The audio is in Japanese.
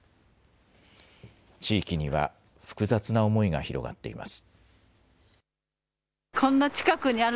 地域には、複雑な思いが広がっています。